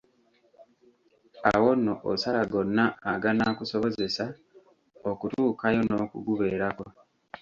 Awo nno osala gonna aganaakusobozesa okutuukayo n'okugubeerako .